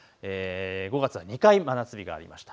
５月は２回、真夏日がありました。